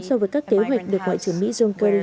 so với các kế hoạch được ngoại trưởng mỹ john keo